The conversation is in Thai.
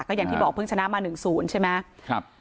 อย่างที่บอกเพิ่งชนะมา๑๐ใช่ไหม